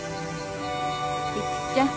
育ちゃん。